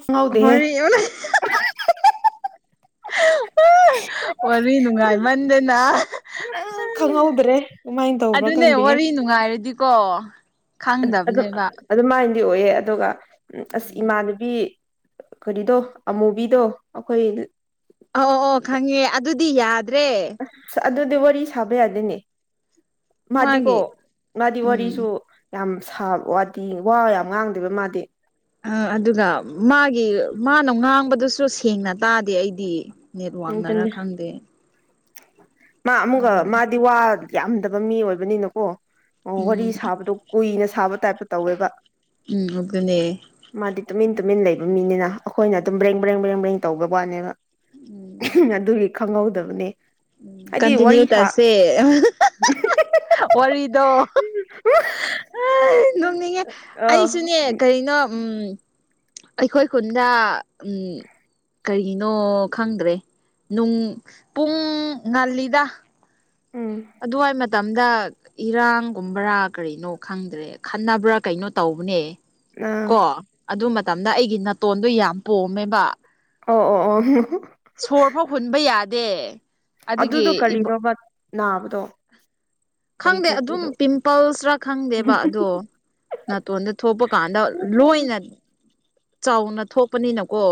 ꯈꯪꯍꯧꯗꯦꯍꯦ [unintelligible] ꯋꯥꯔꯤ ꯅꯨꯡꯉꯥꯏꯃꯟꯗꯅ ꯀꯨꯡꯍꯦꯗꯔ꯭ꯦ ꯎꯃꯥꯏꯟ ꯇ ꯑꯗꯨꯅꯦ ꯋꯥꯔꯤ ꯅꯨꯡꯉꯥꯏꯔꯗꯤꯀꯣ ꯈꯪꯗꯕꯅꯦꯕ ꯑꯗꯨꯃꯥꯏꯅꯗꯤ ꯑꯣꯏꯌꯦ ꯑꯗꯨꯒ ꯑꯁ ꯏꯃꯥꯟꯅꯕꯤ ꯀꯔꯤꯗꯣ ꯑꯃꯨꯕꯤꯗꯣ ꯑꯩꯈꯣꯏ ꯑ ꯑꯣ ꯈꯪꯉꯦ ꯑꯗꯨꯗꯤ ꯌꯥꯗ꯭ꯔꯦ꯫ ꯑꯗꯨꯗꯤ ꯋꯥꯔꯤ ꯁꯥꯕ ꯌꯥꯗꯅꯦ꯫ ꯃꯥꯗꯤꯀꯣ ꯃꯥꯒꯤ ꯃꯥꯗꯤ ꯎꯝ ꯋꯥꯔꯤꯁꯨ ꯌꯥꯝ ꯁꯕ ꯋꯥꯗꯤ ꯋꯥ ꯌꯥꯝ ꯉꯥꯡꯗꯦꯕ ꯃꯥꯗꯤ꯫ ꯑ ꯑꯗꯨꯒ ꯃꯥꯒꯤ ꯃꯥꯅ ꯉꯥꯡꯕꯗꯨꯁꯨ ꯁꯦꯡꯅ ꯇꯥꯗꯦ ꯑꯩꯗꯤ꯫ ꯅꯦꯠꯋꯥ꯭ꯔꯛꯅꯔꯥ ꯑꯗꯨꯅꯤ ꯈꯪꯗꯦ꯫ ꯃꯥ ꯑꯃꯨꯒ ꯎꯝ ꯃꯥꯗꯤ ꯋꯥ ꯌꯥꯝꯗꯕ ꯃꯤ ꯑꯣꯏꯕꯅꯤꯅꯀꯣ ꯋꯥꯔꯤ ꯎꯝ ꯁꯥꯕꯗꯣ ꯀꯨꯏꯅ ꯁꯥꯕ ꯇꯥꯏꯞꯇ ꯇꯧꯋꯦꯕ ꯎꯝ ꯑꯗꯨꯅꯦ꯫ ꯃꯥꯗꯤ ꯇꯨꯃꯤꯟ ꯇꯨꯃꯤꯟ ꯂꯩꯕ ꯃꯤꯅꯤꯅ ꯑꯩꯈꯣꯏꯅ ꯑꯗꯨꯝ ꯕ꯭ꯔꯦꯡ ꯕ꯭ꯔꯦꯡ ꯕ꯭ꯔꯦꯡ ꯕ꯭ꯔꯦꯡ ꯇꯧꯒ ꯋꯥꯠꯅꯦꯕ ꯎꯝ ꯑꯗꯨꯒꯤ ꯈꯪꯍꯧꯗꯕꯅꯦ꯫ ꯍꯥꯏꯗꯤ ꯀꯟꯇꯤꯅ꯭ꯌꯨ ꯋꯥꯔꯤ ꯁꯥ ꯇꯁꯦ ꯋꯥꯔꯤꯗꯣ ꯅꯣꯡꯅꯤꯡꯉꯦ ꯑ ꯑꯩꯁꯨꯅꯦ ꯀꯔꯤꯅꯣ ꯎꯝ ꯑꯩꯈꯣꯏ ꯈꯨꯟꯗ ꯎꯝ ꯀꯔꯤꯅꯣ ꯈꯪꯗ꯭ꯔꯦ ꯅꯨꯡ ꯄꯨꯡ ꯉꯜꯂꯤꯗ ꯎꯝ ꯑꯗꯨꯋꯥꯏ ꯃꯇꯝꯗ ꯏꯔꯥꯡꯒꯨꯝꯕ꯭ꯔꯥ ꯀꯔꯤꯅꯣ ꯈꯪꯗ꯭ꯔꯦ ꯈꯟꯅꯕ꯭ꯔꯥ ꯀꯩꯅꯣ ꯇꯧꯕꯅꯦ꯫ ꯑꯥ ꯀꯣ ꯑꯗꯨ ꯃꯇꯝꯗ ꯑꯩꯒꯤ ꯅꯥꯇꯣꯟꯗꯣ ꯌꯥꯝ ꯄꯣꯝꯃꯦꯕ ꯑꯣ ꯑꯣ ꯑꯣ ꯁꯣꯔ ꯐꯥꯎ ꯍꯨꯟꯕ ꯌꯥꯗꯦ꯫ ꯑꯗꯨꯒꯤ ꯑꯗꯨꯗꯣ ꯀꯔꯤꯅꯣꯕ ꯅꯥꯕꯗꯣ ꯀꯔꯤ ꯈꯪꯗꯦ ꯑꯗꯨꯝ ꯊꯣꯛꯄꯗꯣ ꯄꯤꯝꯄꯜꯁꯔꯥ ꯈꯪꯗꯦꯕ ꯑꯗꯣ ꯅꯇꯣꯟꯗ ꯊꯣꯛꯄ ꯀꯥꯟꯗ ꯂꯣꯏꯅ ꯆꯥꯎꯅ ꯊꯣꯛꯄꯅꯤꯅꯀꯣ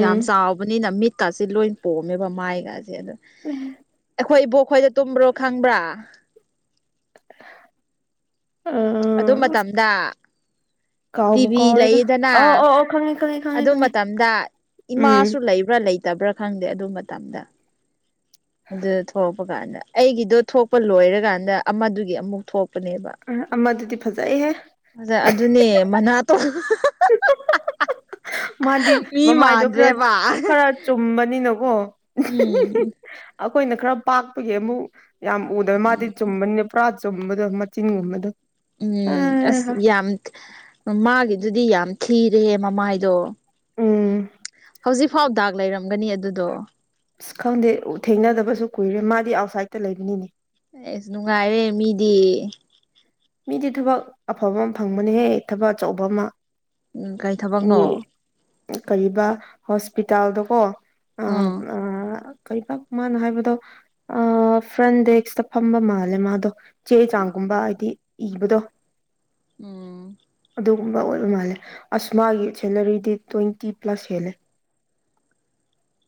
ꯌꯥꯝ ꯆꯥꯎꯕꯅꯤꯅ ꯃꯤꯠ ꯀꯥꯁꯦ ꯂꯣꯏ ꯄꯣꯝꯃꯦꯕ ꯃꯥꯏꯒꯥꯁꯦ ꯑꯗꯣ ꯎꯍꯦꯡ ꯑꯩꯈꯣꯏ ꯏꯕꯣꯛ ꯈꯣꯏꯗ ꯇꯨꯝꯕ꯭ꯔꯣ ꯈꯪꯕ꯭ꯔꯥ ꯑꯗꯨ ꯑꯁ ꯃꯇꯝꯗ ꯀꯥꯎꯕꯨ ꯇꯤꯚꯤ ꯀꯥꯎꯔꯦꯗ ꯂꯩꯌꯦꯗꯅ ꯑꯣ ꯑꯣ ꯑꯣ ꯈꯪꯉꯦ ꯈꯪꯉꯦ ꯈꯪꯉꯦ ꯑꯗꯨ ꯈꯪꯉꯦ ꯃꯇꯝꯗ ꯏꯃꯥꯁꯨ ꯎꯝ ꯂꯩꯕ꯭ꯔꯥ ꯂꯩꯇꯕ꯭ꯔꯥ ꯈꯪꯗꯦ ꯑꯗꯨ ꯃꯇꯝꯗ ꯑꯗꯨꯗ ꯊꯣꯛꯔꯛꯄ ꯀꯥꯟꯗ ꯑꯩꯒꯤꯗꯣ ꯊꯣꯛꯄ ꯂꯣꯏꯔꯒꯥꯟꯗ ꯑꯃꯗꯨꯒꯤ ꯑꯃꯨꯛ ꯊꯣꯛꯄꯅꯦꯕ ꯑ ꯑꯃꯗꯨꯗꯤ ꯐꯖꯩꯍꯦ ꯑꯖꯥ ꯑꯗꯨꯅꯦ ꯃꯅꯥꯇꯣ ꯍ ꯃꯥꯗꯤ ꯃꯤ ꯃꯃꯥꯏꯗꯣ ꯈꯔ ꯃꯥꯟꯗ꯭ꯔꯦꯕ ꯈꯔ ꯆꯨꯝꯕꯅꯤꯅꯀꯣ ꯎꯝ ꯑꯈꯣꯏꯅ ꯈꯔ ꯄꯥꯛꯄꯒꯤ ꯑꯃꯨꯛ ꯌꯥꯝ ꯎꯗꯕ ꯃꯥꯗꯤ ꯆꯨꯝꯕꯅꯤ ꯄꯔꯥ ꯆꯨꯝꯕꯗꯣ ꯃꯆꯤꯟꯒꯨꯝꯕꯗꯣ ꯎꯝ ꯑꯁ ꯌꯥꯝ ꯃꯥꯒꯤꯗꯨꯗꯤ ꯌꯥꯝ ꯊꯤꯔꯦꯍꯦ ꯃꯃꯥꯏꯗꯣ ꯎꯝ ꯍꯧꯖꯤꯛ ꯐꯥꯎ ꯗꯥꯛ ꯂꯩꯔꯝꯒꯅꯤ ꯑꯗꯨꯗꯣ ꯑꯁ ꯈꯪꯗꯦ ꯊꯦꯡꯅꯗꯕꯁꯨ ꯀꯨꯏꯔꯦ ꯃꯥꯗꯤ ꯑꯥꯎꯠꯁꯥꯏꯗꯠꯇ ꯂꯩꯕꯅꯤꯅꯦ ꯑꯩꯁ ꯅꯨꯡꯉꯥꯏꯔꯦ ꯃꯤꯗꯤ ꯃꯤꯗꯤ ꯊꯕꯛ ꯑꯐꯕ ꯑꯃ ꯐꯪꯕꯅꯦꯍꯦ ꯊꯕꯛ ꯑꯆꯧꯕ ꯑꯃ ꯎꯝ ꯀꯏ ꯃꯤ ꯊꯕꯛꯅꯣ ꯀꯔꯤꯕ ꯍꯣꯁꯄꯤꯇꯥꯜꯗꯀꯣ ꯎꯝ ꯑ ꯀꯩꯕꯥꯛ ꯃꯥꯅ ꯍꯥꯏꯕꯗꯣ ꯑ ꯐ꯭ꯔꯟ ꯗꯦꯛꯁꯇ ꯐꯝꯕ ꯃꯥꯜꯂꯦ ꯃꯥꯗꯣ ꯆꯦ ꯆꯥꯡꯒꯨꯝꯕ ꯍꯥꯏꯗꯤ ꯏꯕꯨꯗꯣ ꯎꯝ ꯑꯗꯨꯒꯨꯝꯕ ꯑꯣꯏꯕ ꯃꯥꯜꯂꯦ ꯑꯁꯃꯥꯒꯤ ꯁꯦꯂꯔꯤꯗꯤ ꯇ꯭ꯋꯦꯟꯇꯤ ꯄ꯭ꯂꯁ ꯍꯦꯜꯂꯦ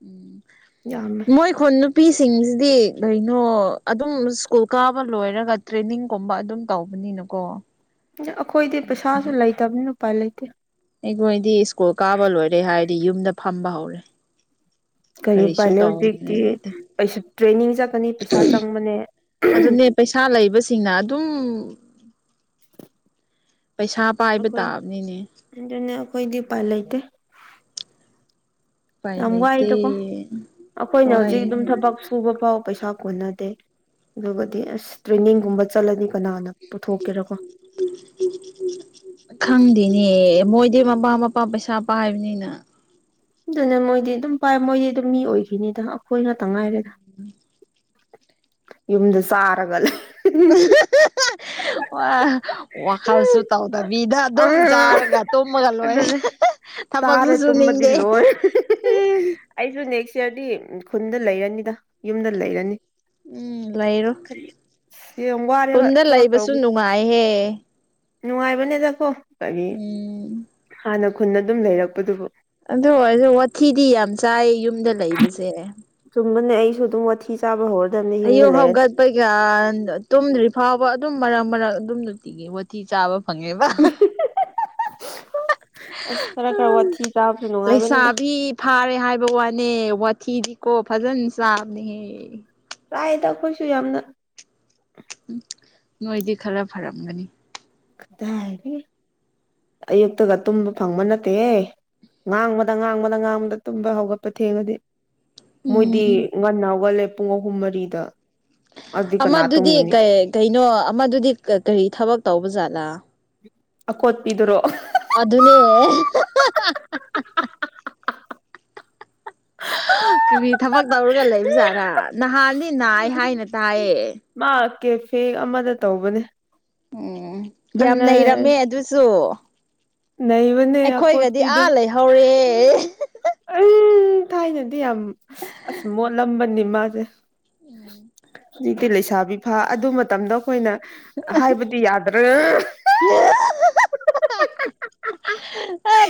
ꯎꯝ ꯌꯥꯝꯃꯦ ꯃꯣꯏ ꯈꯣꯏ ꯅꯨꯄꯤꯁꯤꯡꯁꯤꯗꯤ ꯀꯩꯅꯣ ꯑꯗꯨꯝ ꯁ꯭ꯀꯨꯜ ꯀꯥꯕ ꯂꯣꯏꯔꯒ ꯇ꯭ꯔꯦꯅꯤꯡꯒꯨꯝꯕ ꯑꯗꯨꯝ ꯇꯧꯕꯅꯤꯅꯀꯣ ꯑꯩꯈꯣꯏꯗꯤ ꯄꯩꯁꯥꯁꯨ ꯂꯩꯇꯕꯅꯤ ꯎꯄꯥꯏ ꯂꯩꯇꯦ ꯑꯩꯈꯣꯏꯗꯤ ꯁ꯭ꯀꯨꯜ ꯀꯥꯕ ꯂꯣꯏꯔꯦ ꯍꯥꯏꯔꯗꯤ ꯌꯨꯝꯗ ꯐꯝꯕ ꯍꯧꯔꯦ ꯀꯔꯤ ꯀꯔꯤꯁꯨ ꯄꯥꯏꯂꯩ ꯍꯧꯖꯤꯛꯇꯤ ꯇꯧꯅꯤꯡꯉꯥꯏ ꯂꯩꯇꯦ ꯀꯩꯁꯨ ꯇ꯭ꯔꯦꯅꯤꯡ ꯆꯠꯀꯅꯤ ꯄꯩꯁꯥ ꯆꯪꯕꯅꯦ ꯑꯗꯨꯅꯦ ꯄꯩꯁꯥ ꯂꯩꯕꯁꯤꯡꯅ ꯑꯗꯨꯝ ꯄꯩꯁꯥ ꯄꯥꯏꯕꯇꯥꯕꯅꯤꯅꯦ ꯑꯗꯨꯅ ꯑꯩꯈꯣꯏꯗꯤ ꯎꯄꯜ ꯂꯩꯇꯦ ꯎꯄꯥꯏ ꯌꯥꯝ ꯂꯩꯇꯦ ꯋꯥꯏꯗꯀꯣ ꯑꯩꯈꯣꯏꯅ ꯍꯣꯏ ꯍꯧꯖꯤꯛ ꯑꯗꯨꯝ ꯊꯕꯛ ꯁꯨꯕ ꯐꯥꯎ ꯄꯩꯁꯥ ꯀꯣꯟꯅꯗꯦ ꯑꯗꯨꯒꯗꯤ ꯑꯁ ꯇ꯭ꯔꯦꯅꯤꯡꯒꯨꯝꯕ ꯆꯠꯂꯅꯤ ꯀꯅꯥꯅ ꯄꯨꯊꯣꯛꯀꯦꯔꯀꯣ ꯈꯪꯗꯦꯅꯦ ꯃꯣꯏꯗꯤ ꯃꯃꯥ ꯃꯄꯥ ꯄꯩꯁꯥ ꯄꯥꯏꯕꯅꯤꯅ ꯑꯗꯨꯅ ꯃꯣꯏꯗꯤ ꯑꯗꯨꯝ ꯄꯥꯏ ꯃꯣꯏꯗꯤ ꯑꯗꯨꯝ ꯃꯤ ꯑꯣꯏꯈꯤꯅꯤꯗ ꯑꯩꯈꯣꯏꯅꯇ ꯉꯥꯏꯔꯗꯤ ꯎꯝ ꯌꯨꯝꯗ ꯆꯥꯔꯒ ꯂꯩ [unintelligible] ꯋꯥ ꯋꯥꯈꯜꯁꯨ ꯇꯧꯗꯕꯤꯗ ꯑꯗꯨꯝ ꯆꯥꯔꯒ ꯇꯨꯝꯃꯒ ꯂꯣꯏꯔꯦ ꯑꯗꯨꯅꯦ ꯍꯦꯍꯦ ꯊꯕꯛꯁꯨ ꯆꯥꯔꯦ ꯇꯨꯝꯃꯗꯤ ꯁꯨꯅꯤꯡꯗꯦ ꯂꯣꯏ ꯑꯩꯁꯨ ꯅꯦꯛꯁ ꯏꯌꯥꯔꯗꯤ ꯈꯨꯟꯗ ꯂꯩꯔꯅꯤꯗ ꯌꯨꯝꯗ ꯂꯩꯔꯅꯤ ꯎꯝ ꯂꯩꯔꯣ ꯌꯥꯝ ꯋꯥꯔꯦꯕ ꯊꯕꯛ ꯇꯧꯕ ꯋꯥꯏꯍꯦ ꯅꯨꯡꯉꯥꯏꯕꯅꯦꯗꯀꯣ ꯀꯔꯤ ꯎꯝ ꯍꯥꯟꯅ ꯈꯨꯟ ꯑꯗꯨꯝ ꯂꯩꯔꯛꯄꯗꯨꯕꯨ ꯑꯗꯣ ꯑꯩꯁ ꯋꯥꯊꯤꯗꯤ ꯌꯥꯝ ꯆꯥꯏ ꯌꯨꯝꯗ ꯂꯩꯕꯁꯦ ꯆꯨꯝꯕꯅꯦ ꯑꯩꯁꯨ ꯑꯗꯨꯝ ꯋꯥꯊꯤ ꯆꯥꯕ ꯍꯧꯔꯗꯝꯅꯦ ꯌꯨꯝꯗ ꯂꯩꯔꯗꯤ ꯀꯩꯒꯥꯟꯗ ꯇꯨꯝꯗ꯭ꯔꯤ ꯐꯥꯎꯕ ꯑꯗꯨꯝ ꯃꯔꯛ ꯃꯔꯛ ꯑꯗꯨꯝ ꯅꯨꯡꯇꯤꯒꯤ ꯋꯥꯊꯤ ꯆꯥꯕ ꯐꯪꯉꯦꯕ ꯑꯁ ꯈꯔ ꯈꯔ ꯋꯥꯊꯤ ꯆꯥꯕꯁꯨ ꯅꯨꯡꯉꯥꯏꯕꯅꯤꯅ ꯂꯩꯁꯥꯕꯤ ꯐꯥꯔꯦ ꯍꯥꯏꯕ ꯋꯥꯅꯦ ꯋꯥꯊꯤꯗꯤꯀꯣ ꯐꯖꯅ ꯆꯥꯕꯅꯦꯍꯦ꯫ ꯆꯥꯏꯗ ꯑꯩꯈꯣꯏꯁꯨ ꯌꯥꯝꯅ꯫ ꯎꯝ ꯅꯣꯏꯗꯤ ꯈꯔ ꯐꯔꯝꯒꯅꯤ꯫ ꯀꯗꯥꯏꯗꯒꯤ ꯑꯌꯨꯛꯇꯒ ꯇꯨꯝꯕ ꯐꯪꯕ ꯅꯠꯇꯦꯍꯦ꯫ ꯉꯥꯡꯕꯗ ꯉꯥꯡꯕꯗ ꯉꯥꯡꯕꯗ ꯇꯨꯝꯕ ꯍꯧꯒꯠꯄ ꯊꯦꯡꯉꯗꯤ꯫ ꯃꯣꯏꯗꯤ ꯎꯝ ꯉꯟꯅ ꯍꯧꯒꯠꯂꯦ ꯄꯨꯡ ꯑꯍꯨꯝ ꯃꯔꯤꯗ꯫ ꯑꯗꯨꯗꯤ ꯀꯅꯥ ꯑꯃꯗꯨꯗꯤ ꯇꯨꯝꯒꯅꯤ ꯀꯩ ꯀꯩꯅꯣ ꯑꯃꯗꯨꯗꯤ ꯀꯔꯤ ꯊꯕꯛ ꯇꯧꯕ ꯖꯠꯂꯥ꯫ ꯑꯀꯣꯠꯄꯤꯗꯨꯔꯣ꯫ ꯑꯗꯨꯅꯦ꯫ [unintelligible] ꯍ ꯀꯔꯤ ꯊꯕꯛ ꯇꯧꯔꯒ ꯂꯩꯕꯖꯥꯔꯥ ꯅꯍꯥꯟꯗꯤ ꯅꯥꯌꯦ ꯎꯝ ꯍꯥꯏꯅ ꯇꯥꯏꯌꯦ꯫ ꯃꯥ ꯀꯦꯐꯦ ꯑꯃꯗ ꯇꯧꯕꯅꯦ꯫ ꯎꯝ ꯌꯥꯝ ꯅꯩꯔꯝꯃꯦ ꯑꯗꯨꯁꯨ꯫ ꯅꯩꯕꯅꯦ ꯑꯩꯈꯣꯏꯒꯗꯤ ꯑꯀꯣꯠꯄꯤꯗꯣ ꯑꯥ ꯂꯩꯍꯧꯔꯦ꯫ ꯑꯏ ꯊꯥꯏꯅꯗꯤ ꯌꯥꯝ ꯑꯁ ꯃꯣꯠꯂꯝꯕꯅꯤ ꯃꯥꯁꯦ꯫ ꯎꯝ ꯍꯧꯖꯤꯛꯇꯤ ꯂꯩꯁꯥꯕꯤ ꯐꯥ ꯑꯗꯨ ꯃꯇꯝꯗ ꯑꯩꯈꯣꯏꯅ ꯍꯥꯏꯕꯗꯤ ꯌꯥ [unintelligible]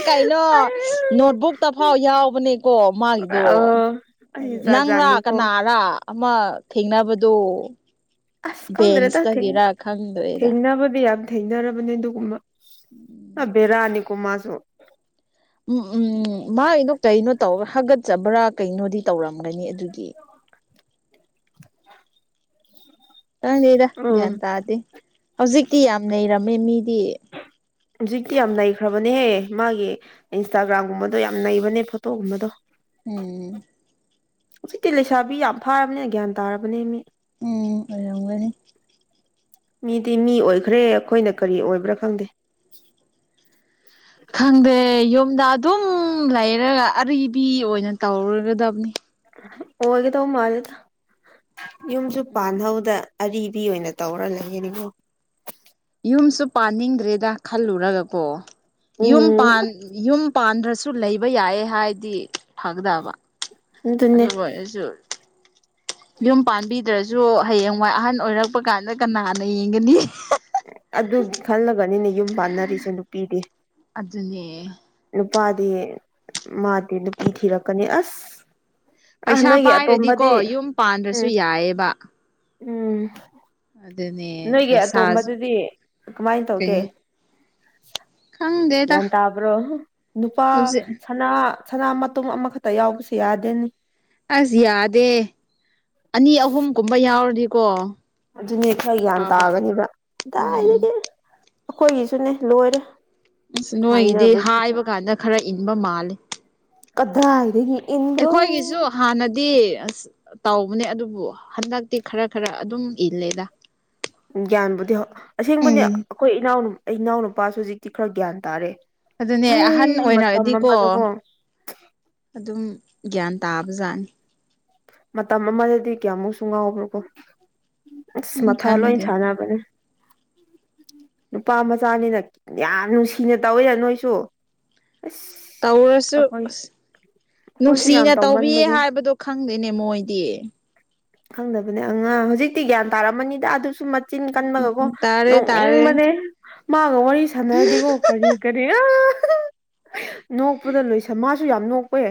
ꯀꯩꯅꯣ ꯅꯣꯠꯕꯨꯛꯇ ꯐꯥꯎ ꯌꯥꯎꯕꯅꯦꯀꯣ ꯃꯥꯒꯤ ꯗꯣ ꯑ ꯑꯩ ꯖꯥꯠ ꯅꯪꯔꯥ ꯖꯥꯠꯅꯤꯀꯣ ꯀꯅꯥꯔꯥ ꯑꯃ ꯊꯦꯡꯅꯕꯗꯣ꯫ ꯑꯁ ꯈꯪꯗ꯭ꯔꯦꯗ ꯊꯦꯡꯅ ꯕꯦꯟꯁꯇꯒꯤꯔ ꯈꯪꯗ꯭ꯔꯦꯗ ꯊꯦꯡꯅꯕꯗꯤ ꯌꯥꯝ ꯊꯩꯅꯔꯕꯅꯦ ꯑꯗꯨꯒꯨꯝꯕ ꯑ ꯕꯦꯔꯥꯅꯤꯀꯣ ꯃꯥꯁꯨ꯫ ꯎꯝ ꯎꯝ ꯃꯥꯒꯤꯗꯣ ꯀꯩꯅꯣ ꯇꯧꯑꯦ ꯍꯥꯒꯠꯆꯕ꯭ꯔꯥ ꯀꯩꯅꯣꯗꯤ ꯇꯧꯔꯝꯒꯅꯤ ꯑꯗꯨꯒꯤ꯫ [unintelligible] ꯈꯪꯗꯦꯗ ꯎꯝ ꯒ꯭ꯌꯥꯟ ꯇꯥꯗꯦ ꯍꯧꯖꯤꯛꯇꯤ ꯌꯥꯝ ꯅꯩꯔꯝꯃꯦ ꯃꯤꯗꯤ꯫ ꯍꯧꯖꯤꯛꯇꯤ ꯌꯥꯝ ꯅꯩꯈ꯭ꯔꯕꯅꯦꯍꯦ ꯃꯥꯒꯤ ꯏꯟꯁꯇꯥꯒ꯭ꯔꯥꯝꯒꯨꯝꯕꯗꯣ ꯌꯥꯝ ꯅꯩꯕꯅꯦ ꯐꯣꯇꯣꯒꯨꯝꯕꯗꯣ꯫ ꯎꯝ꯫ ꯍꯧꯖꯤꯛꯇꯤ ꯂꯩꯁꯥꯕꯤ ꯌꯥꯝ ꯐꯥꯔꯕꯅꯦꯅ ꯒ꯭ꯌꯥꯟ ꯇꯥꯔꯕꯅꯦ ꯃꯤ꯫ ꯎꯝ ꯑꯣꯏꯔꯝꯒꯅꯤ꯫ ꯃꯤꯗꯤ ꯃꯤ ꯑꯣꯏꯈ꯭ꯔꯦ ꯑꯈꯣꯏꯅ ꯀꯔꯤ ꯑꯣꯏꯕ꯭ꯔꯥ ꯈꯪꯗꯦ꯫ ꯈꯪꯗꯦ ꯌꯨꯝꯗ ꯑꯗꯨꯝ ꯂꯩꯔꯒ ꯑꯔꯤꯕꯤ ꯑꯣꯏꯅ ꯇꯧꯔꯨꯒꯗꯕꯅꯤ꯫ ꯑꯣꯏꯒꯗꯧꯕ ꯃꯥꯜꯂꯦꯗ ꯌꯨꯝꯁꯨ ꯎꯝ ꯎꯝ ꯄꯥꯟꯍꯧꯗꯦ꯫ ꯑꯔꯤꯕꯤ ꯑꯣꯏꯅ ꯇꯧꯔ ꯂꯩꯔꯅꯤꯀꫭ꯫ ꯌꯨꯝꯁꯨ ꯄꯥꯅꯤꯡꯗ꯭ꯔꯦꯗ ꯈꯜꯂꯨꯔꯒꯀꯣ ꯌꯨꯝ ꯎꯝ ꯄꯥꯟ ꯌꯨꯝ ꯄꯥꯟꯗ꯭ꯔꯁꯨ ꯂꯩꯕ ꯌꯥꯏꯌꯦ ꯍꯥꯏꯗꯤ ꯐꯒꯗꯕ ꯑꯗꯨꯅꯦ ꯑꯗꯨꯕꯨ ꯑꯩꯁꯨ ꯌꯨꯝ ꯄꯥꯟꯕꯤꯗ꯭ꯔꯁꯨ ꯍꯌꯦꯡꯋꯥꯏ ꯑꯍꯟ ꯑꯣꯏꯔꯛꯄ ꯀꯥꯟꯗ ꯀꯅꯥꯅ ꯌꯦꯡꯒꯅꯤ꯫ ꯑꯗꯨꯒꯤ ꯈꯜꯂꯒꯅꯤꯅꯦ ꯌꯨꯝ ꯄꯥꯟꯅꯔꯤꯁꯦ ꯅꯨꯄꯤꯗꯤ꯫ ꯑꯗꯨꯅꯦ꯫ ꯅꯨꯄꯥꯗꯤ ꯃꯥꯗꯤ ꯅꯨꯄꯤ ꯊꯤꯔꯛꯀꯅꯤ ꯑꯁ꯫ ꯑ ꯄꯩꯁꯥ ꯅꯣꯏꯒꯤ ꯄꯥꯏꯔꯗꯤꯀꯣ ꯑꯇꯣꯝꯕꯗꯤ ꯌꯨꯝ ꯄꯥꯟꯗ꯭ꯔꯁꯨ ꯎꯝ ꯌꯥꯏꯑꯦꯕ꯫ ꯎꯝ ꯅꯣꯏꯒꯤ ꯄꯩꯁꯥꯁꯨ ꯑꯇꯣꯝꯕꯗꯨꯗꯤ ꯀꯃꯥꯏꯅ ꯀꯩ ꯇꯧꯒꯦ꯫ ꯈꯪꯗꯦꯗ ꯒ꯭ꯌꯥꯟ ꯇꯕ꯭ꯔꯣ ꯅꯨꯄꯥ ꯍꯧꯖꯤꯛ ꯁꯅꯥ ꯁꯅꯥ ꯃꯇꯨꯝ ꯑꯃꯈꯛꯇ ꯌꯥꯎꯕꯁꯦ ꯌꯥꯗꯦꯅꯦ꯫ ꯑꯁ ꯌꯥꯗꯦ ꯑꯅꯤ ꯑꯍꯨꯝꯒꯨꯝꯕ ꯌꯥꯎꯔꯗꯤꯀꯣ꯫ ꯑꯗꯨꯅꯦ ꯈꯔ ꯒ꯭ꯌꯥꯟ ꯐꯕ ꯇꯥꯒꯅꯤꯕ ꯎꯝ ꯀꯗꯥꯏꯗꯒꯤ ꯑꯩꯈꯣꯏꯒꯤꯁꯨꯅꯦ ꯂꯣꯏꯔꯦ꯫ ꯑꯁ ꯅꯣꯏꯒꯤꯗꯤ ꯍꯥꯏꯅꯕꯁꯤꯅ ꯍꯥꯏꯕ ꯀꯥꯟꯗ ꯈꯔ ꯏꯟꯕ ꯃꯥꯜꯂꯤ꯫ ꯀꯗꯥꯏꯗꯒꯤ꯫ ꯏꯟꯕ꯭ꯔꯣ ꯑꯩꯈꯣꯏꯒꯤꯁꯨ ꯍꯥꯟꯅꯗꯤ ꯑꯁ ꯇꯧꯕꯅꯦ ꯑꯗꯨꯕꯨ ꯍꯟꯗꯛꯇꯤ ꯈꯔ ꯈꯔ ꯑꯗꯨꯝ ꯏꯜꯂꯦꯗ꯫ ꯒ꯭ꯌꯥꯟꯕꯨꯗꯤ ꯍꫭ ꯑꯁꯦꯡꯕꯅꯦ ꯎꯝ ꯑꯩꯈꯣꯏ ꯏꯅꯥꯎ ꯏꯅꯥꯎꯅꯨꯄꯥꯁꯨ ꯍꯧꯖꯤꯛꯇꯤ ꯈꯔ ꯒ꯭ꯌꯥꯟ ꯇꯥꯔꯦ꯫ ꯑꯗꯨꯅꯦ ꯑꯍꯟ ꯑꯩ ꯃꯇꯝ ꯑꯣꯏꯔꯛꯑꯗꯤꯀꯣ ꯑꯃꯗꯀꯣ ꯑꯗꯨꯝ ꯒ꯭ꯌꯥꯟ ꯇꯥꯕꯖꯥꯠꯅꯤ꯫ ꯃꯇꯝ ꯑꯃꯗꯗꯤ ꯀꯌꯥꯃꯨꯛꯁꯨ ꯉꯥꯎꯕ꯭ꯔꯣꯀꯣ ꯑꯁ ꯎꯝ ꯃꯊꯥ ꯂꯣꯏ ꯈꯪꯗꯦ ꯁꯥꯟꯅꯕꯅꯦ [unintelligible] ꯅꯨꯄꯥ ꯃꯆꯥꯅꯤꯅ ꯌꯥꯝ ꯅꯨꯡꯁꯤꯅ ꯇꯧꯋꯤꯅ ꯅꯣꯏꯁꯨ ꯑꯁ ꯇꯧꯔꯁꯨ ꯑꯩꯈꯣꯏ ꯑꯁ ꯑꯩꯈꯣꯏꯁꯨ ꯌꯥꯝ ꯅꯨꯡꯁꯤꯅ ꯇꯧꯕꯤꯌꯦ ꯇꯧꯃꯟꯕꯒꯤ ꯍꯥꯏꯕꯗꯣ ꯈꯪꯗꯦꯅꯦ ꯃꯣꯏꯗꯤ ꯈꯪꯗꯕꯅꯦ ꯑꯉꯥꯡ ꯍꯧꯖꯤꯛꯇꯤ ꯒ꯭ꯌꯥꯟ ꯇꯥꯔꯝꯃꯅꯤꯗ ꯑꯗꯨꯁꯨ ꯆꯤꯟ ꯀꯟꯕꯒꯀꯣ ꯎꯝ ꯇꯥꯔꯦ ꯇꯥꯔꯦ ꯅꯣꯛꯅꯤꯡꯕꯅꯦ ꯃꯥꯒ ꯋꯥꯔꯤ ꯁꯥꯟꯅꯔꯗꯤꯀꯣ ꯀꯔꯤ ꯀꯔꯤꯔ ꯅꯣꯛꯄꯨꯗ ꯂꯣꯏꯁ ꯃꯥꯁꯨ ꯌꯥꯝ ꯅꯣꯛꯋꯦ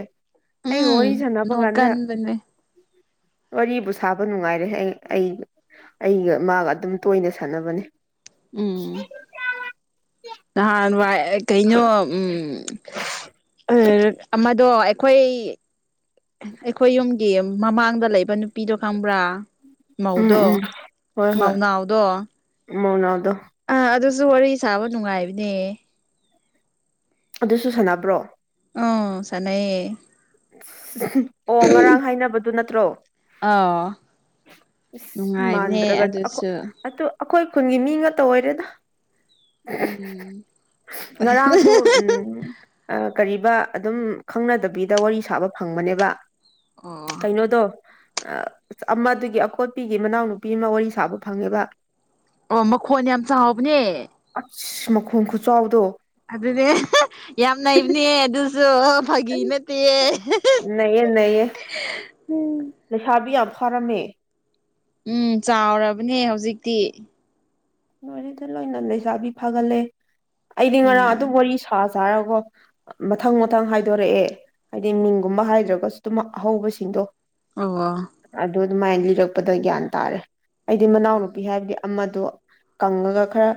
ꯑꯩꯒ ꯎꯝ ꯋꯥꯔꯤ ꯁꯥꯟꯅꯕ ꯀꯥꯟꯗ ꯅꯣꯛꯀꯟꯕꯅꯦ ꯋꯥꯔꯤꯕꯨ ꯁꯥꯕ ꯅꯨꯡꯉꯥꯏꯔꯦ ꯑꯩꯑꯩ ꯑꯩ ꯒ ꯑ ꯒ ꯑꯗꯨꯝ ꯇꯣꯢꯅ ꯁꯥꯟꯅꯕꯅꯦ [unintelligible] ꯎꯝ ꯅꯍꯥꯟꯋꯥꯏ ꯀꯩꯅꯣ ꯎꯝ ꯑꯃꯗꯣ ꯑꯩꯈꯣꯏ ꯑꯩꯈꯣꯏ ꯌꯨꯝꯒꯤ ꯃꯃꯥꯡꯗ ꯂꯩꯕ ꯅꯨꯄꯤꯗꯣ ꯈꯪꯕ꯭ꯔꯥ ꯎꯝ ꯃꯧꯗꯣ ꯎꯝ ꯍꯣꯏ ꯍꯣꯏ ꯃꯧꯅꯥꯎꯗꯣ ꯃꯧꯅꯥꯎꯗꯣ ꯑꯥ ꯑꯗꯨꯁꯨ ꯋꯥꯔꯤ ꯁꯥꯕ ꯅꯨꯡꯉꯥꯏꯕꯅꯦ ꯑꯗꯨꯁꯨ ꯁꯥꯟꯅꯕ꯭ꯔꯣ ꯑꯣ ꯁꯥꯅꯩꯌꯦ ꯑꯣ ꯉꯔꯥꯡ ꯍꯥꯏꯅꯕꯗꯨ ꯅꯠꯇ꯭ꯔꯣ ꯑꯥꯎ ꯑꯁ ꯅꯨꯡꯉꯥꯏꯕꯅꯦ ꯃꯥꯟꯗ꯭ꯔꯒ ꯑꯈꯣꯏ ꯑꯗꯨꯁꯨ ꯑꯗꯨ ꯑꯩꯈꯣꯢ ꯈꯨꯟꯒꯤ ꯃꯤꯉꯥꯛ ꯇ ꯑꯣꯏꯔꯦꯗ ꯑꯍꯦꯍꯦ ꯎꯝ ꯉꯔꯥꯡꯁꯨ ꯎꯝ ꯀꯔꯤꯕ ꯑꯗꯨꯝ ꯈꯪꯅꯗꯕꯤꯗ ꯋꯥꯔꯤ ꯁꯥꯕ ꯐꯪꯕꯅꯦꯕ ꯑꯣ ꯀꯩꯅꯣꯗꯣ ꯑ ꯑꯃꯗꯨꯒꯤ ꯑꯀꯣꯠꯄꯤꯒꯤ ꯃꯅꯥꯎꯅꯨꯄꯤ ꯑꯃ ꯋꯥꯔꯤ ꯁꯥꯕ ꯐꯪꯉꯦꯕ ꯑꯣ ꯃꯈꯣꯟ ꯌꯥꯝ ꯆꯥꯎꯕꯅꯦ ꯑꯁ ꯃꯈꯣꯡ ꯈꯨꯆꯥꯎꯗꯣ ꯑꯗꯨꯅꯦ ꯑꯍ ꯌꯥꯝ ꯅꯩꯕꯅꯦ ꯑꯗꯨꯁꯨ ꯐꯥꯒꯤ ꯅꯠꯇꯦ ꯌꯦ ꯅꯩꯌꯦ ꯅꯩꯌꯦ ꯎꯝ ꯂꯩꯁꯥꯕꯤ ꯌꯥꯝ ꯐꯥꯔꯝꯃꯦ ꯎꯝ ꯆꯥꯎꯔꯕꯅꯦ ꯍꯧꯖꯤꯛꯇꯤ ꯋꯥꯔꯤꯗ ꯂꯣꯏꯅ ꯂꯩꯁꯥꯕꯤ ꯐꯒꯠꯂꯦ ꯑꯩꯗꯤ ꯉꯔꯥꯡ ꯑꯗꯨꯝ ꯎꯝ ꯋꯥꯔꯤ ꯁꯥ ꯁꯥꯔꯒꯣ ꯃꯊꯪ ꯃꯊꯪ ꯍꯥꯏꯗꯣꯔꯛꯑꯦ ꯍꯥꯏꯗꯤ ꯃꯤꯡꯒꯨꯝꯕ ꯍꯥꯏꯗ꯭ꯔꯒꯁꯨ ꯑꯗꯨꯝ ꯑꯍꯧꯕꯁꯤꯡꯗꯣ ꯑ ꯑꯗꯨ ꯑꯗꯨꯃꯥꯏꯅ ꯂꯤꯔꯛꯄꯗ ꯒ꯭ꯌꯥꯟ ꯇꯥꯔꯦ ꯑꯩꯗꯤ ꯃꯅꯥꯎꯅꯨꯄꯤ ꯍꯥꯏꯕꯗꯤ ꯑꯃꯗꯣ ꯀꯪꯉꯒ ꯈꯔ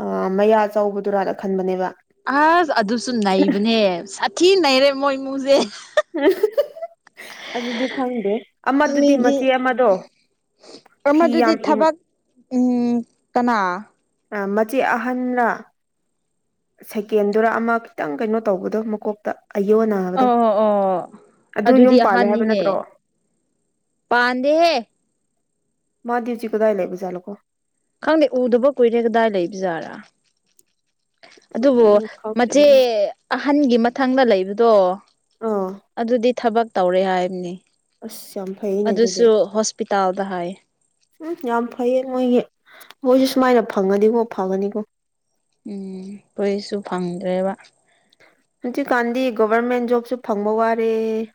ꯑꯥ ꯃꯌꯥ ꯆꯥꯎꯕꯗꯨ ꯔꯥꯅ ꯈꯟꯕꯅꯦꯕ ꯑꯁ ꯑꯗꯨꯁꯨ ꯅꯩꯕꯅꯦ ꯁꯥꯊꯤ ꯅꯩꯔꯦ ꯃꯣꯏ ꯏꯃꯨꯡꯁꯦ ꯑꯗꯨꯗꯤ ꯈꯪꯗꯦ ꯑꯃꯗꯨꯗꯤ ꯃꯤꯗꯤ ꯃꯆꯦ ꯑꯃꯗꯣ ꯐꯤ ꯑꯃꯗꯨꯗꯤ ꯌꯥꯝ ꯏꯟ ꯊꯕꯛ ꯎꯝ ꯀꯅꯥ ꯃꯆꯦ ꯑꯍꯟꯂ ꯁꯦꯀꯦꯟꯗꯨꯔ ꯑꯃ ꯈꯤꯇꯪ ꯀꯩꯅꯣ ꯇꯧꯕꯗꯣ ꯃꯀꯣꯛꯇ ꯑꯌꯣ ꯅꯥꯕꯗꯣ ꯑꯣ ꯑꯣ ꯑꯗꯨ ꯌꯨꯝ ꯑꯗꯨꯗꯤ ꯄꯥꯜꯂꯦ ꯍꯥꯏꯕ ꯅꯠꯇ꯭ꯔꯣ ꯑꯍꯥꯟꯅꯤꯅꯦ ꯄꯥꯟꯗꯦꯍꯦ ꯃꯗꯤ ꯎꯆꯤ ꯀꯗꯥꯢ ꯂꯩꯕꯖꯥꯠꯂ ꯀꯣ ꯈꯪꯗꯦ ꯎꯗꯕ ꯀꯨꯏꯔꯦ ꯀꯗꯥꯏ ꯂꯩꯕꯖꯥꯔꯥ ꯑꯗꯨꯕꯨ ꯎꯝ ꯃꯆꯦ ꯈꯪꯗ꯭ꯔꯦꯅꯦ ꯑꯍꯟꯒꯤ ꯃꯊꯪꯗ ꯂꯩꯕꯗꯣ ꯑꯥ ꯑꯗꯨꯗꯤ ꯊꯕꯛ ꯇꯧꯔꯦ ꯍꯥꯏꯕꯅꯤ ꯑꯁ ꯌꯥꯝ ꯐꯩꯅꯦ ꯑꯗꯨꯗꯤ ꯑꯗꯨꯁꯨ ꯍꯣꯁꯄꯤꯇꯥꯜꯗ ꯍꯥꯏꯌꯦ ꯎꯝ ꯌꯥꯝ ꯐꯩꯌꯦ ꯃꯣꯏꯒꯤ ꯃꯣꯏꯁꯨ ꯁꯨꯃꯥꯏꯅ ꯐꯪꯒꯅꯤꯀꯣ ꯐꯒꯅꯤꯀꯣ ꯎꯝ ꯀꯔꯤꯁꯨ ꯐꯪꯗ꯭ꯔꯦꯕ ꯍꯧꯟꯖꯤꯛꯀꯥꯟꯗꯤ ꯒꯣꯕꯔꯃꯦꯟ ꯖꯣꯕꯁꯨ ꯐꯪꯕ ꯋꯥꯔꯦ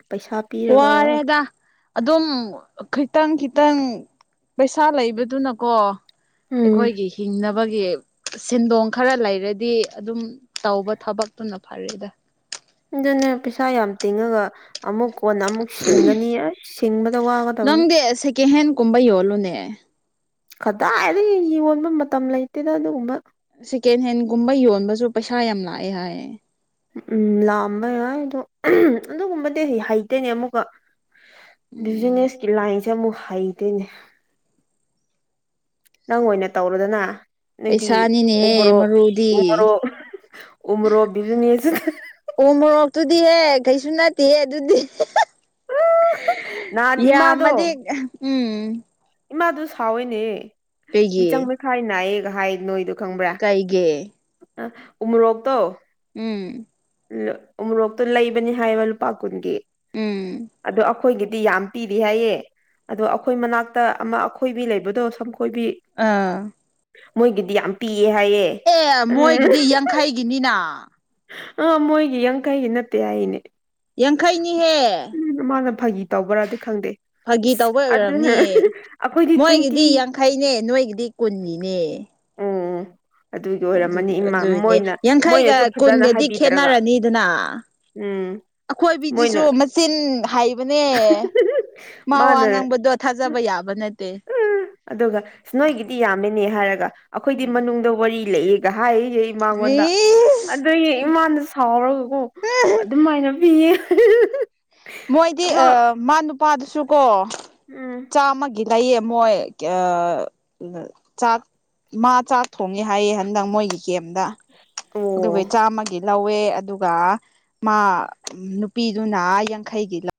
ꯄꯩꯁꯥ ꯄꯤꯔꯒ ꯋꯥꯔꯦꯗ ꯑꯗꯨꯝ ꯈꯤꯇꯪ ꯈꯤꯇꯪ ꯄꯩꯁꯥ ꯂꯩꯕꯗꯨꯅꯀꯣ ꯎꯝ ꯑꯩꯈꯣꯏꯒꯤ ꯍꯤꯡꯅꯕꯒꯤ ꯁꯦꯟꯗꯣꯡ ꯈꯔ ꯂꯩꯔꯗꯤ ꯑꯗꯨꯝ ꯇꯧꯕ ꯊꯕꯛꯇꯨꯅ ꯐꯔꯦꯗ ꯑꯗꯨꯅꯦ ꯄꯩꯁꯥ ꯌꯥꯝ ꯇꯤꯡꯉꯒ ꯑꯃꯨꯛ ꯀꯣꯟꯅ ꯑꯃꯨꯛ ꯁꯤꯡꯒꯅꯤ ꯑꯁ ꯁꯤꯡꯕꯗ ꯋꯥꯒꯗꯕꯅꯤ ꯅꯪꯗꯤ ꯁꯦꯀꯦꯟ ꯍꯦꯟꯒꯨꯝꯕ ꯌꯣꯜꯂꯨꯅꯦ ꯀꯗꯥꯏꯗꯒꯤ ꯌꯣꯟꯕ ꯃꯇꯝ ꯂꯩꯇꯦꯗ ꯑꯗꯨꯒꯨꯝꯕ ꯁꯦꯀꯦꯟ ꯍꯦꯟꯒꯨꯝꯕ ꯌꯣꯟꯕꯁꯨ ꯄꯩꯁꯥ ꯌꯥꯝ ꯂꯥꯛꯑꯦ ꯍꯥꯏꯌꯦ ꯎꯝ ꯂꯥꯛꯑꯝꯕ ꯌꯥꯏ ꯑꯗꯣ ꯑꯝ ꯑꯗꯨꯒꯨꯝꯕꯗꯤ ꯍꯩꯇꯦꯅꯦ ꯑꯃꯨꯛꯀ ꯎꯝ ꯕꯤꯖꯤꯅꯦꯁꯀꯤ ꯂꯥꯏꯟꯁꯦ ꯑꯃꯨꯛ ꯍꯩꯇꯦꯅꯦ ꯅꯪ ꯑꯣꯏꯅ ꯇꯧꯔꯣꯗꯅ ꯑꯩꯗꯤ ꯄꯩꯁꯥꯅꯤꯅꯦꯍꯦ ꯎꯃꯣꯔꯣꯛ ꯃꯔꯨꯗꯤ ꯎꯃꯣꯔꯣꯛ ꯎꯃꯣꯔꯣꯛ ꯕꯤꯖꯤꯅꯦꯁ ꯇꯨꯗ ꯎꯃꯣꯔꯣꯛꯇꯨꯗꯤꯍꯦ ꯀꯩꯁꯨ ꯅꯠꯇꯦꯍꯦ ꯑꯗꯨꯗꯤ ꯅꯍꯥꯟ ꯌꯥꯝ ꯃꯗꯤ ꯎꯝ ꯏꯃꯥꯗ ꯁꯥꯎꯋꯦꯅꯦ ꯃꯤꯆꯪ ꯀꯩꯒꯤ ꯃꯤꯈꯥꯏ ꯅꯥꯏꯑꯦꯒ ꯍꯥꯏ ꯅꯣꯏꯗ ꯈꯪꯕ꯭ꯔꯥ ꯀꯩꯒꯤ ꯑ ꯎꯃꯣꯔꯣꯛꯇꯣ ꯎꯝ ꯎꯃꯨꯔꯣꯛꯇꯣ ꯂꯩꯕꯅꯤ ꯍꯥꯏꯕ ꯂꯨꯄꯥ ꯀꯨꯟꯒꯤ ꯎꯝ ꯑꯗꯣ ꯑ ꯑꯩꯈꯣꯏꯒꯤꯗꯤ ꯌꯥꯝ ꯄꯤꯗꯦ ꯍꯥꯏꯌꯦ ꯑꯗꯣ ꯑꯩꯈꯣꯏ ꯃꯅꯥꯛꯇ ꯑꯃ ꯑꯈꯣꯏꯕꯤ ꯂꯩꯕꯗꯣ ꯁꯝꯈꯣꯏꯕꯤ ꯑꯥ ꯃꯣꯏꯒꯤꯗꯤ ꯌꯥꯝ ꯄꯤꯌꯦ ꯍꯥꯏꯌꯦ ꯑꯦ ꯎꯝ ꯃꯣꯏꯒꯤꯗꯤ ꯌꯥꯡꯈꯩꯒꯤꯅꯤꯅ ꯑ ꯃꯣꯏꯒꯤ ꯌꯥꯡꯈꯩꯒꯤ ꯅꯠꯇꯦ ꯍꯥꯏꯅꯦ ꯌꯥꯡꯈꯩꯅꯤꯍꯦ ꯎꯝ ꯃꯥꯅ ꯐꯥꯒꯤ ꯇꯧꯕ꯭ꯔꯥꯗꯤ ꯈꯪꯗꯦ ꯐꯥꯒꯤ ꯑꯁ ꯇꯧꯕ ꯑꯗꯨꯅ ꯑꯣꯏꯔꯝꯅꯤ ꯑꯩꯈꯣꯏꯗꯤ ꯇ꯭ꯋꯦꯟꯇꯤ ꯃꯣꯏꯒꯤꯗꯤ ꯌꯥꯡꯈꯩꯅꯦ ꯅꯣꯏꯒꯤꯗꯤ ꯀꯨꯟꯒꯤꯅꯦ ꯎꯝ ꯑꯗꯨꯒꯤ ꯑꯣꯏꯔꯝꯃꯅꯤ ꯑꯗꯨꯏ ꯏꯃꯥ ꯑꯗꯨꯏꯅꯦ ꯃꯣꯏꯅ ꯌꯥꯡꯈꯩꯒ ꯃꯣꯏꯅꯁꯨ ꯐꯖꯅ ꯀꯨꯟꯒꯗꯤ ꯍꯥꯏꯕꯤꯗ꯭ꯔꯒ ꯈꯦꯠꯅꯔꯅꯤꯗꯅ ꯎꯝ ꯑꯈꯣꯏꯕꯤꯗꯨꯁꯨ ꯃꯣꯏꯅ ꯃꯆꯤꯟ ꯍꯥꯏꯕꯅꯦ ꯃꯥ ꯋꯥ ꯉꯥꯡꯕꯗꯣ ꯊꯥꯖꯕ ꯌꯥꯕ ꯅꯠꯇꯦ ꯎꯝ ꯑꯗꯨꯒ ꯅꯣꯏꯒꯤꯗꯤ ꯌꯥꯝꯃꯤꯅꯦ ꯍꯥꯏꯔꯒ ꯑꯈꯣꯏꯗꯤ ꯎꯝ ꯃꯅꯨꯡꯗ ꯋꯥꯔꯤ ꯂꯩꯑꯦꯒ ꯍꯥꯏꯌꯦ ꯏꯃꯥꯉꯣꯟꯗ ꯏꯁ ꯑꯗꯨꯒꯤ ꯏꯃꯥꯅ ꯁꯥꯎꯔꯒꯀꯣ ꯑꯗꯨꯃꯥꯏꯅ ꯄꯤꯌꯦ ꯃꯣꯏꯗꯤ ꯑꯃ ꯃꯥ ꯅꯨꯄꯥꯗꯨꯁꯨ ꯀꯣ ꯎꯝ ꯆꯥꯝꯃꯒꯤ ꯂꯩꯌꯦ ꯃꯣꯏ ꯆꯥꯛ ꯃꯥ ꯆꯥꯛ ꯊꯣꯡꯉꯦ ꯍꯥꯏꯌꯦ ꯍꯟꯗꯛ ꯃꯣꯏꯒꯤ ꯀꯦꯝꯗ ꯑꯣ ꯑꯗꯨꯒꯤ ꯆꯥꯃꯒꯤ ꯂꯧꯋꯦ ꯑꯗꯨꯒ ꯃꯥ ꯅꯨꯄꯤꯗꯨꯅ ꯌꯥꯡꯈꯩꯒꯤ ꯂꯧ